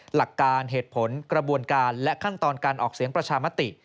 หลักการเหตุผลกระบวนการและขั้นตอนการออกเสียงประชามติ